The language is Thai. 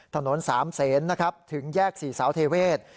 ถนนสามเศสถึงแยกสี่สาวเทเวศ